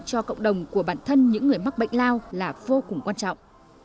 cho cộng đồng của bản thân những người mắc bệnh lao là vô cùng quan trọng